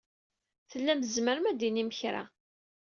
Tellam tzemrem ad d-tinim kra.